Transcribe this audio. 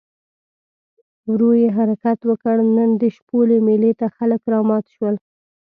ورو یې حرکت وکړ، نن د شپولې مېلې ته خلک رامات شول.